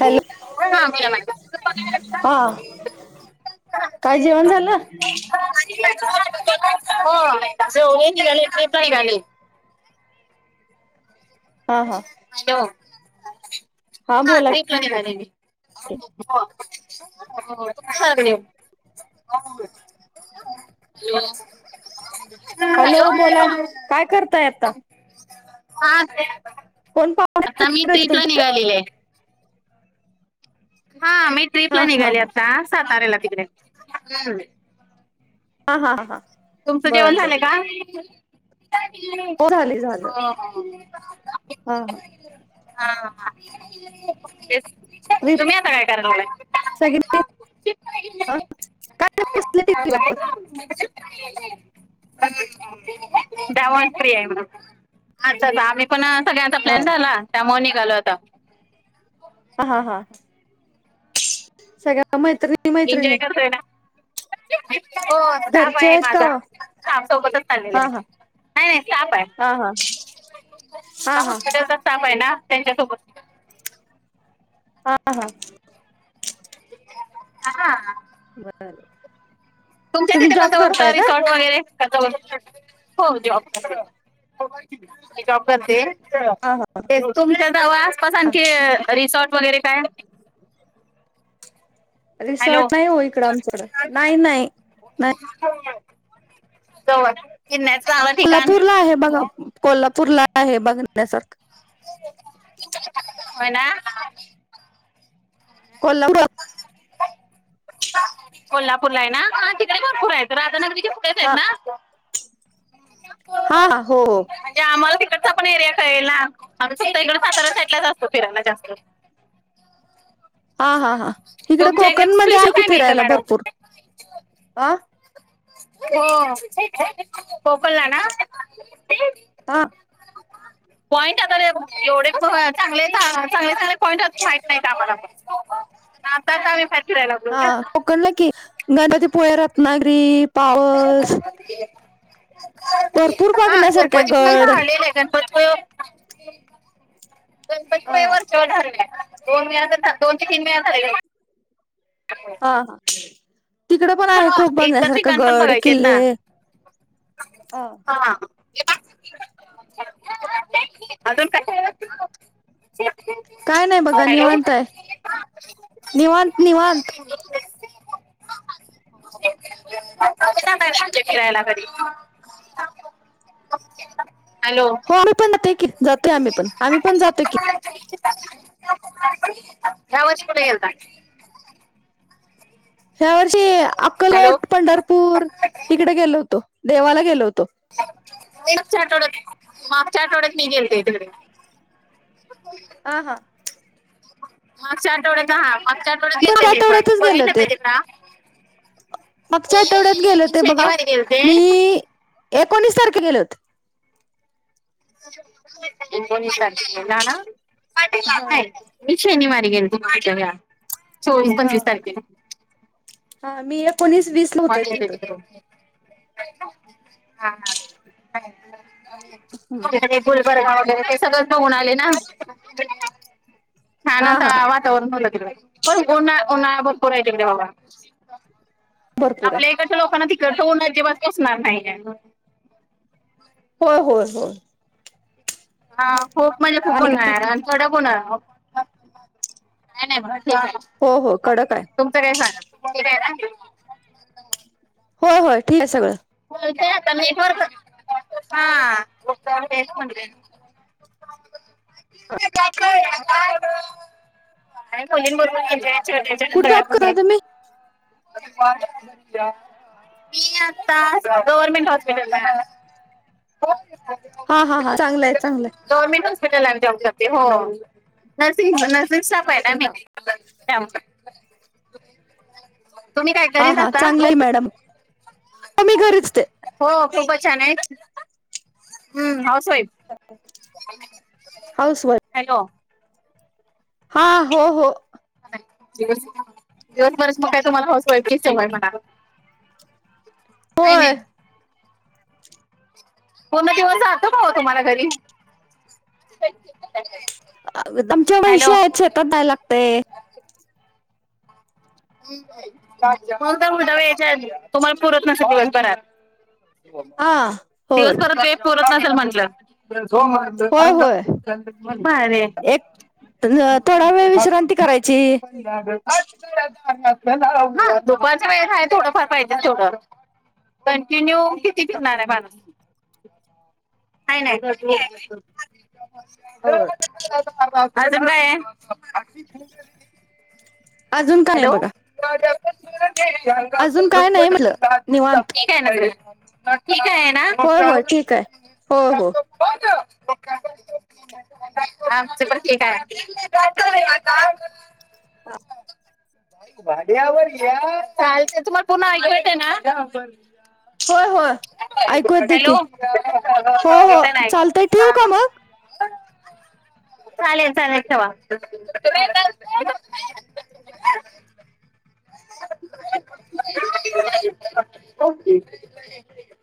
Hello [inaudible] हा ह काय जेवण चौघे झालं निघाले ते पण निघाले. हा हा. हॅलो, हा बोला [inaudible] ह [unintelligible] ह [unintelligible] हॅलो बोला काय करताय आता हा कोण पाहुणे आता आहेत मी का घरी ट्रीप लाभ तुमच्या निघालेले आहे. हा मी हा ट्र्रीपला हा निघाली हा आता सातारा ला तिकडे. हा हा हां हा. तुमचं जेवण बर बर झालंय का? बर [unintelligible] हो झाले झालं हा हा हा [unintelligible] रिप तुम्ही आता काय कराय लागलाय? सगळी काय बसले टीव्ही बघत [unintelligible] सेवन फ्री आहे म्हण. अच् आम्ही पण सगळ्यांचा हा प्लॅन झाला त्यामुळे निघालो होता हा हा सगळ्या मैत्रिणी एन्जॉय मैत्रिणी करतोय ना हो स्टाफ घरचे आहे आहेत का माझा स्टाफ सोबतच चाललेली हा हा आहे. नाही नाही स्टाफ आहे हा हा हा हा हॉपिटलचा स्टाफ आहे ना त्यांच्यासोबत हा हा [inaudible] [inaudible] तुमच्या तुम्ही तिथ पण जॉब जवळ करताय का रिसॉर्ट वगैरे? हो जॉब करते ती जॉब करते. हा हा ते तुमच्या जवळ आसपास आणखी रिसॉर्ट वगैरे काय? हॅलो रिसॉर्ट नाही हो इकडं आमच्याकडे नाही -नाही. नाही [inaudible] [inaudible] कोल्हापूर ला आहे. बघा कोल्हापूरला आहे बघण्यासारखं. होय ना. कोल्हापूर? कोल्हापूरला आहे ना तिकडे भरपूर आहे राधानगरी [inaudible] [inaudible] हा हो -हो. म्हणजे आम्हाला तिकडचा पण एरिया कळेल ना आमच्या इकड साताऱ्या साईडलाच असतो फिरायला जास्त. हा -हा -हां इकडे तुमच्या कोकणमध्ये आहे स्पेशल की काय मिळतं फिरायला भरपूर मॅडम अ. हो [inaudible] कोकणला ना. ह. [inaudible] पॉईंट आता लई भारी एवढे चांगले -चांगले -चांगले पॉईंट माहत नाही आम्हाला [unintelligible] आत्ताच आम्ही. फिरायला लागलो हा ना कोकणला कि गणपतीपुळे रत्नागिरी पावस. भरपूर हा बघण्यासारखं आहे गणपती पुळे गड पाहिलेलं गणपती गणपती हा काय वरच्यावर झालेले आहे दोन वेळेस दोन ते तीन वेळेस झालेल. हा- हा. तिकडे पण आहे खूप इतर बघण्यासारख ठिकाण पण गड बघायचे आहेत किल्ले. ना [inaudible] [inaudible] काय नाही बघा हॅलो. निवांत आहे निवांत निवांत [inaudible] ये फिरायला कधी. [inaudible] हो. आमही पण जे जातो. आम्ही पण आम्ही पण जातोय की. [inaudible] या वर्षी कुठ गेलता? ह्या वर्षी हॅलो अक्कलकोट पंढरपूर तिकडे गेलो होतो देवाला गेलो होतो. [unintelligible] मागच्या आठवड्यात मी गेलते तिकडे. ह हां. मगच्या आठवड्यातहा मगच्या आठवडत गेते मागच्या मी पण आठवड्यातच गेले बघन होते माहिजे का. मागच्या आठवड्यात गेल होते बघा गेलते मी एकोणीस तारखे गेले होत. एकोणावीस तारखेला हा जाणार [unintelligible] मी शनिवारी गेल ते मागच्या वेळा. हा -हा मी एकोणीस वीस ला [unintelligible] मा होते तिथं हा हा. [inaudible] [inaudible] गुलबर्गा वगैरे ते सगळं बघून आले ना छान हा हा असा हा वा. लाग पणनर पोराग बाबा [unintelligible] भरपूर आहे. आपल्या लोकांना तिकट होऊणार तेेव्हा बसणार नाही [unintelligible] हो हो होय हा खूप म्हणजे खूपर [inaudible] आणि काय ड कोन का नाही [inaudible] हो हो कडक आहे. तुमचं काय सांगा. हो होय ठीक आहे सगळं. ोलते आता मेटवर हाच म्ह [inaudible] का खलीन बरोबर घज [inaudible] ले्या कुठे जॉब करताय गयामध्ये [inaudible] तुम्ही मी आता गवर्मेंट हॉस्पिटल ला आता. हा हा हां चांगलंय चांगलंय. गव्हर्मेंट हॉस्पिटल आणि जाऊ लाते हो नर्सिंग नर्सिंग स्टाफ आहे ना मी. त्या [inaudible] तुम्ही काय हा हा करीनता चांगलंय मॅडम हो मी घरीच ते [unintelligible] हो खूपच छान आहे हम्म हासईब- हाऊस वाईफ. हॅलो! हा हो हो [unintelligible] तुम्हाला हाऊस वाईफची सवय म्हणा- नाही नाही. होय पूर्ण दिवस जातो काहो तुम्हाला घरी? आम्हच्या मशी हॅलो आहेत, शेतात जाय लागते. [unintelligible] तुम्हाला पुरत नसेल दिवसभरात. हा होय दिवसभरात वेळ पुरत नसेल म्हंटलं. होय होय. [unintelligible] भारीये एक थोडा वेळ विश्रांती करायची. हा दुपारच्या वेळेत आहे थोडाफार पाहिजेल तेवढं. [inaudible] कंटिन्यू किती फिरणार आहे माणूस. नाही नाही होय. [inaudible] अजून काय हाय. अजून का नाही हॅलो [unintelligible] [unintelligible] बघा अजून काय नाही म्हटलं निवांत. ठीक आहे न. होय होतं [inaudible] होय ठीक आहे होय हो आमच पण ठीके. [inaudible] हा भांड्यावर यां चालते तुम्हांला पुन्हां ऐकू येते नां [inaudible] होय होय ऐकू येतंय की हॅलो हो हो येताना ऐकू? चालतंय हा ठेवू [inaudible] का मग? चालेल चालेल ठेवा. हा. ओके.